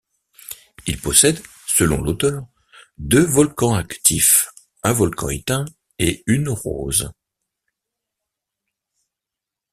Il possède, selon l'auteur, deux volcans actifs, un volcan éteint et une rose.